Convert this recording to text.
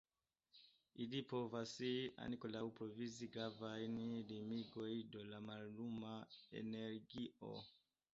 Ili povas ankaŭ provizi gravajn limigojn de la malluma energio.